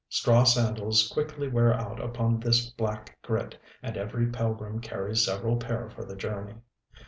Straw sandals quickly wear out upon this black grit; and every pilgrim carries several pair for the journey.